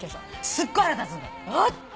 すっごい腹立つんだって。